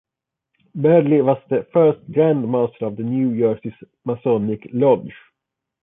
Brearley was the first Grand Master of the New Jersey Masonic Lodge.